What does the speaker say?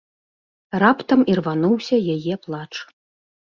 Раптам ірвануўся яе плач.